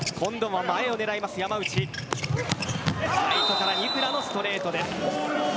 ライトからニクラのストレートです。